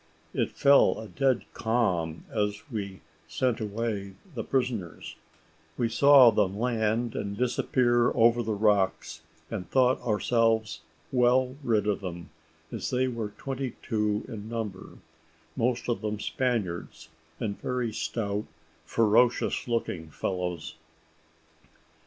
It fell a dead calm as we sent away the prisoners; we saw them land and disappear over the rocks, and thought ourselves well rid of them, as they were twenty two in number, most of them Spaniards, and very stout, ferocious looking fellows.